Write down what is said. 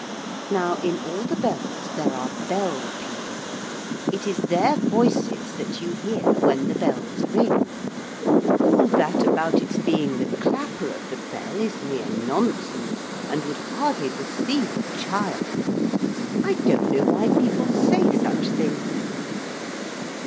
Now in all the bells there are bell people it is their voices that you hear when the bells ring. All that about its being the clapper of the bell is mere nonsense, and would hardly deceive a child. I don't know why people say such things.